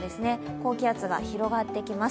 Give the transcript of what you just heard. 高気圧が広がってきます。